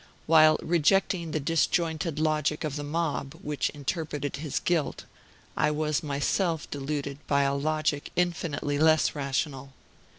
While rejecting the disjointed logic of the mob, which interpreted his guilt, I was myself deluded by a logic infinitely less rational.